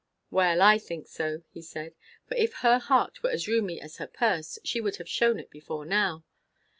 "Well, I think so," he said. "For if her heart were as roomy as her purse, she would have shewn it before now.